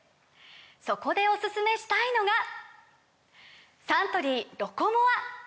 そこでおすすめしたいのがサントリー「ロコモア」！